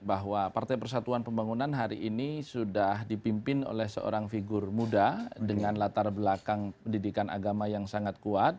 bahwa partai persatuan pembangunan hari ini sudah dipimpin oleh seorang figur muda dengan latar belakang pendidikan agama yang sangat kuat